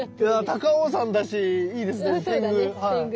高尾山だしいいですね天狗。